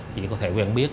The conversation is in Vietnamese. chỉ có thể quen biết